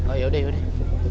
oh yaudah yaudah